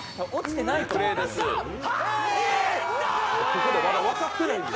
ここでまだ分かってないんや。